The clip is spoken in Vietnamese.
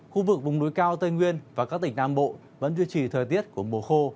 khu vực vùng núi cao tây nguyên và các tỉnh nam bộ vẫn duy trì thời tiết của mùa khô